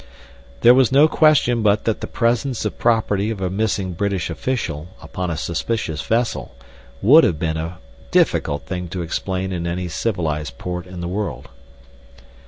There was no question but that the presence of property of a missing British official upon a suspicious vessel would have been a difficult thing to explain in any civilized port in the world.